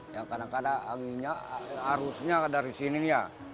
ya kadang kadang arusnya dari sini ya